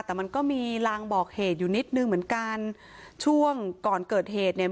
แต่มันก็มีลางบอกเหตุอยู่นิดนึงเหมือนกันช่วงก่อนเกิดเหตุเนี่ย